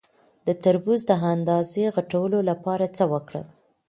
د تربوز د اندازې غټولو لپاره څه وکړم؟